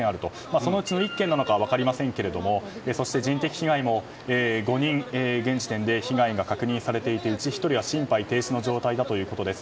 そのうちの１軒なのか分かりませんがそして、人的被害も５人現時点で確認されていてうち１人は心肺停止の状態だということです。